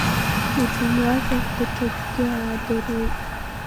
Ишәымуазар даҽакгьы аадыруеит.